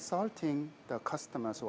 pelanggan atau pemerintah